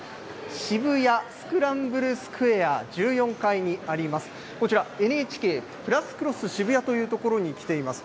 渋谷スクランブルスクエア１４階にあります、こちら、ＮＨＫプラスクロス渋谷というところに来ています。